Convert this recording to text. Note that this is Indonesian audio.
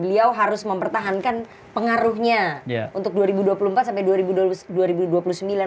beliau harus mempertahankan pengaruhnya mdm takarung di indonesia di tahun dua ribu dua puluh empat dua ribu dua puluh tujuh